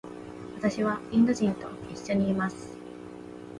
私はインド人と一緒にいます。